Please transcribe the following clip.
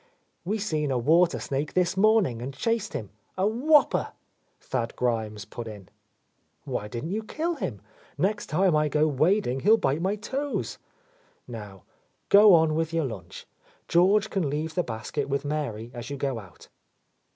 "We seen a water snake this morning and chased him. A whopper!" Thad Grimes put in. "Why didn't you kill him? Next time I go wading he'll bite my toes! Now, go on —1 8— A Lost Lady with your lunch. George can leave the basket with Mary as you go out."